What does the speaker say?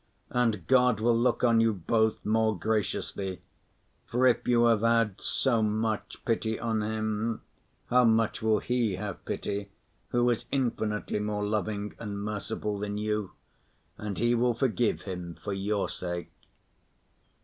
And God will look on you both more graciously, for if you have had so much pity on him, how much will He have pity Who is infinitely more loving and merciful than you! And He will forgive him for your sake.